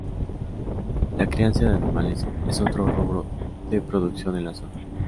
La crianza de animales es otro rubro de producción en la zona.